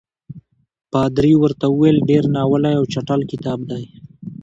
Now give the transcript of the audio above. پادري ورته وویل ډېر ناولی او چټل کتاب دی.